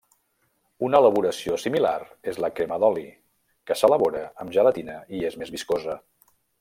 Una elaboració similar és la crema d’oli, que s’elabora amb gelatina i és més viscosa.